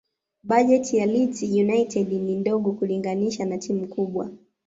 bajeti ya leeds united ni ndogo kulinganisha na timu kubwa